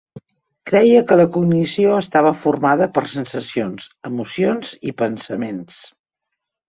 Creia que la cognició estava formada per sensacions, emocions i pensaments.